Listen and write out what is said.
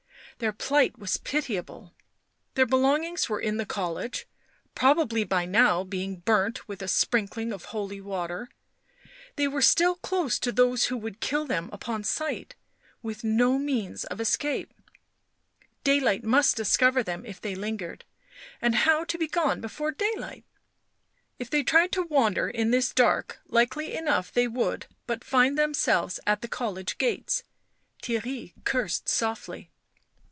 Their plight was pitiable ; their belongings were in the college, probably by now being burnt with a sprinkling of holy water — they were still close to those who would kill them upon sight, with no means of escape; day light must discover them if they lingered, and how to Be gone before daylight? If they tried to wander in this dark likely enough they would but find them selves at the college gates; Theirry cursed softly.